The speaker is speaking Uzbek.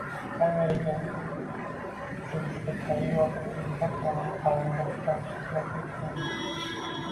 kameraga tushirishga tayyor turgan bir talay qarindoshlar ishtirok etganlar.